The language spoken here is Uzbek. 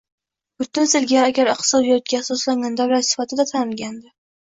Yurtimiz ilgari agrar iqtisodiyotga asoslangan davlat sifatida tanilgandi.